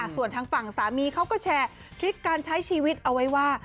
ส่วนทางฝั่งสามีเขาก็แชร์คลิปการใช้ชีวิตเอาไว้ว่า